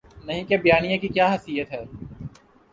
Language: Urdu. نہیں کے بیانیے کی کیا حیثیت ہے؟